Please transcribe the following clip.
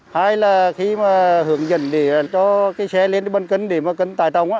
hai là khi mà hưởng dẫn để cho cái xe lên bân cấn để mà cấn tài tông